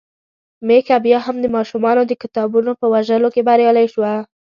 ميښه بيا هم د ماشومانو د کتابونو په ژولو کې بريالۍ شوه.